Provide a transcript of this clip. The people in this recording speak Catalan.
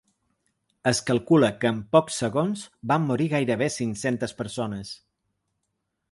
Es calcula que en pocs segons van morir gairebé cinc-centes persones.